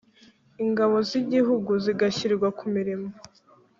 Ingabo z Igihugu zigashyirwa ku mirimo